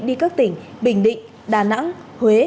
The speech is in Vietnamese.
đi các tỉnh bình định đà nẵng huế